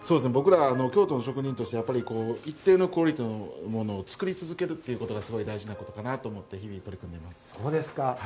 僕ら京都の職人としてやっぱり一定のクオリティーのものを作り続けるっていうことがすごい大事なことかなと思って日々取り組んでいます。